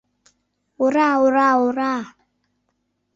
— Ура... ура... ура!!!